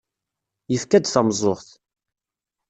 Yefka-d tameẓẓuɣt.